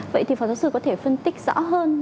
vậy thì phó giáo sư có thể phân tích rõ hơn